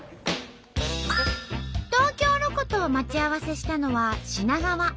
東京ロコと待ち合わせしたのは品川。